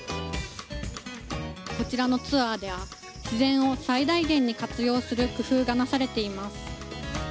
こちらのツアーでは自然を最大限に活用する工夫がなされています。